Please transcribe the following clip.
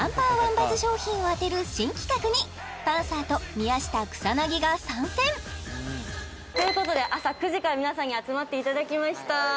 バズ商品を当てる新企画にパンサーと宮下草薙が参戦ということで朝９時から皆さんに集まっていただきました